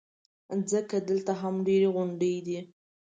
ځکه دلته هم ډېرې غونډۍ دي.